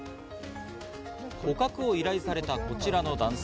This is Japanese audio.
捕獲を依頼されたこちらの男性。